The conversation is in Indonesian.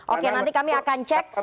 oke nanti kami akan cek